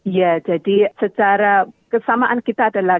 ya jadi secara kesamaan kita adalah